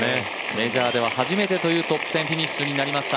メジャーでは初めてというトップ１０フィニッシュになりました。